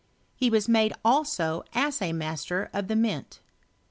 He was made also assay master of the Mint.